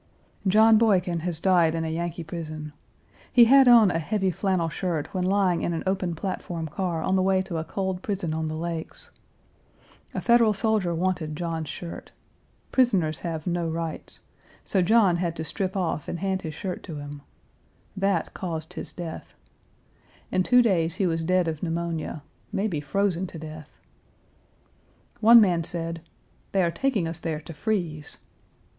John Boykin has died in a Yankee prison. He had on a heavy flannel shirt when lying in an open platform car on the way to a cold prison on the lakes. A Federal soldier wanted John's shirt. Prisoners have no rights; so John had to strip off and hand his shirt to him. That caused Page 309 his death. In two days he was dead of pneumonia may be frozen to death. One man said: "They are taking us there to freeze."